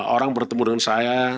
orang bertemu dengan saya